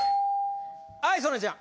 はい曽根ちゃん